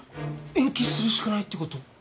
延期するしかないってこと？